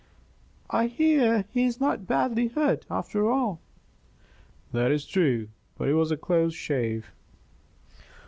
"I hear he is not badly hurt, after all." "That is true. But it was a close shave."